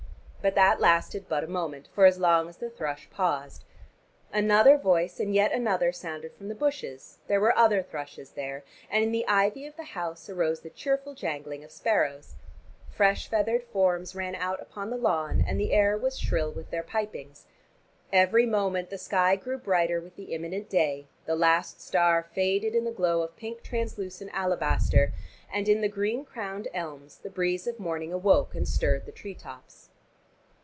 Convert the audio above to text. But that lasted but a moment, for as long as the thrush paused. Another voice and yet another sounded from the bushes; there were other thrushes there, and in the ivy of the house arose the cheerful jangling of sparrows. Fresh feathered forms ran out upon the lawn, and the air was shrill with their pipings. Every moment the sky grew brighter with the imminent day, the last star faded in the glow of pink translucent alabaster, and in the green crowned elms the breeze of morning awoke, and stirred the tree tops.